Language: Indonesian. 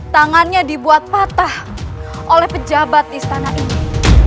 tangannya dibuat patah oleh pejabat istana ini